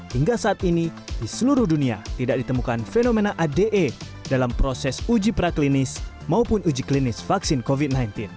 hingga saat ini di seluruh dunia tidak ditemukan fenomena ade dalam proses uji praklinis maupun uji klinis vaksin covid sembilan belas